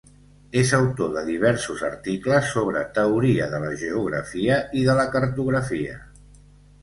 És autor de diversos articles sobre teoria de la geografia i de la cartografia.